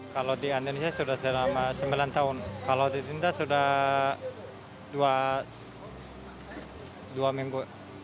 kalau di indonesia sudah selama sembilan tahun kalau di indonesia sudah dua minggu